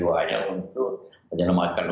itu mereka penjual penjual sejati yang mengorbankan diri